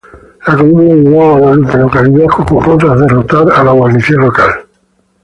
La columna llegó a Guadalupe, localidad que ocupó tras derrotar a la guarnición local.